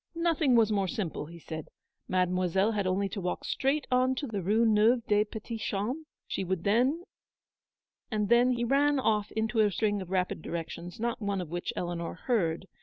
Nothing was more simple, he said: Mademoi selle had only to walk straight on to the Rue Neuve des Petits Champs ; she would then, and then — He ran off into a string of rapid directions, not one of which Eleanor heard.